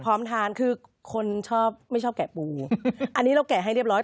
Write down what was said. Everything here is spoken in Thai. พร้อมทานคือคนชอบไม่ชอบแกะปูไงอันนี้เราแกะให้เรียบร้อย